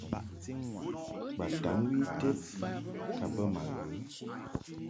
Bataŋgwi ited ka bə ma ghə.